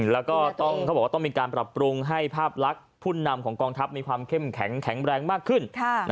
แล้วก็ต้องเขาบอกว่าต้องมีการปรับปรุงให้ภาพลักษณ์ผู้นำของกองทัพมีความเข้มแข็งแรงมากขึ้น